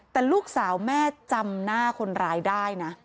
แต่ลูกสาวแม่จำหน้าคนร้ายได้นะ